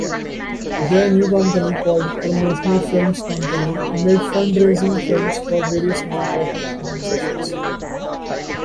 Their new company, called Promotional Films Company, made fundraising films for various non-profit organizations.